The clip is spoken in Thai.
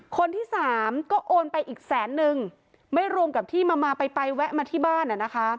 คนที่สามก็โอนไปอีกแสนนึงไม่รวมกับที่มามาไปไปแวะมาที่บ้านอ่ะนะคะ